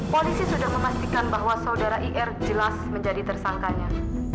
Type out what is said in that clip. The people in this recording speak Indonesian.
polisi sudah memastikan bahwa saudara ir jelas menjadi tersangkanya